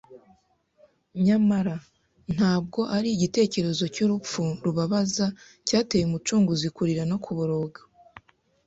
Nyamara, ntabwo ari igitekerezo cy'urupfu rubabaza cyateye Umucunguzi kurira no kuboroga.